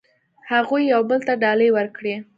هغوی یو بل ته ډالۍ ورکړې.